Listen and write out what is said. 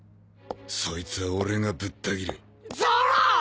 そいつは俺がぶった斬るゾロ！